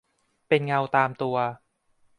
เป็นเงาตามตัว